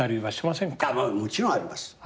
もちろんあります。